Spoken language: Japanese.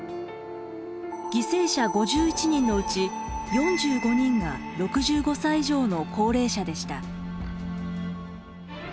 犠牲者５１人のうち４５人が６５歳以上の高齢者でした。